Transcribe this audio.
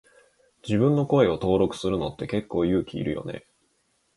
自分の声を登録するのって結構勇気いるよね。